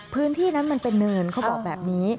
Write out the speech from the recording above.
พื้นที่นั้นมันเป็นเนินเขาบอกแบบนี้